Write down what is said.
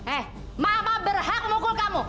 eh mama berhak memukul kamu